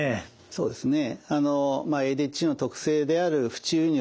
そうですね。